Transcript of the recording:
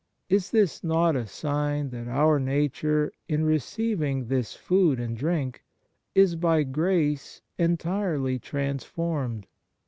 Is this not a sign that our nature, in receiving this food and drink, is by grace entirely trans formed